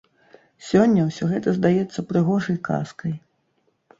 Сёння ўсё гэта здаецца прыгожай казкай.